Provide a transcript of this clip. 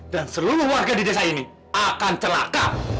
dan seluruh warga di desa ini akan celaka